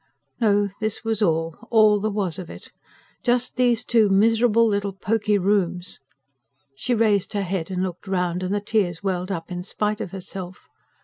No, this was all, all there was of it: just these two miserable little poky rooms! She raised her head and looked round, and the tears welled up in spite of herself.